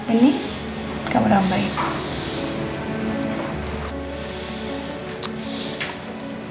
ini kameram baik